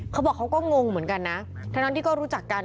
เขาบอกเขาก็งงเหมือนกันนะทั้งนั้นที่ก็รู้จักกัน